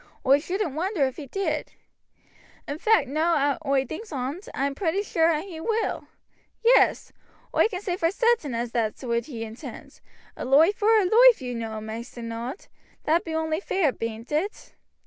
Oi shouldn't wonder if he did, In fact, now oi thinks on't, oi am pretty sure as he will. Yes. Oi can say for sartin as that's what he intends. A loife vor a loife you know, Maister Nod, that be only fair, bean't it?"